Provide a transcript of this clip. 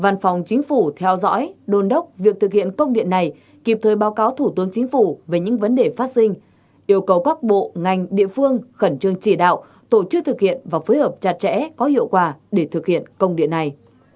văn phòng chính phủ theo dõi đồn đốc việc thực hiện công điện này kịp thời báo cáo thủ tướng chính phủ về những vấn đề phát sinh yêu cầu các bộ ngành địa phương khẩn trương chỉ đạo tổ chức thực hiện và phối hợp chặt chẽ có hiệu quả để thực hiện công điện này